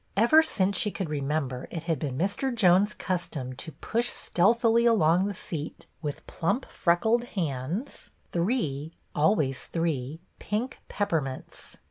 Ever since she could remember, it had been Mr. Jones' custom to push stealthily along the seat, with plump freckled hands, three, always three, pink peppermints.